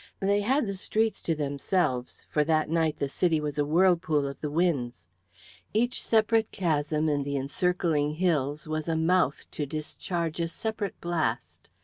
They had the streets to themselves, for that night the city was a whirlpool of the winds. Each separate chasm in the encircling hills was a mouth to discharge a separate blast.